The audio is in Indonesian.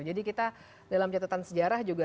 jadi kita dalam catatan sejarah juga